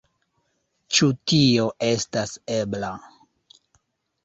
Ĉu tio estas ebla.